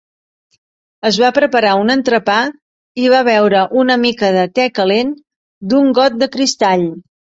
Es va preparar un entrepà i va beure una mica de te calent d'un got de cristall.